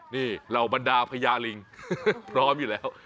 นี่เหล่าบรรดาพญาลิงพร้อมอยู่แล้ว